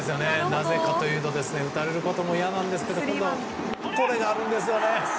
なぜかというと打たれることも嫌なんですがこれがあるんですね。